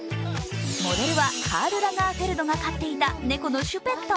モデルはカール・ラガーフェルドが飼っていた猫のシュペット。